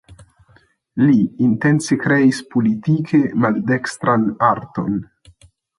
Li intence kreis politike maldekstran arton.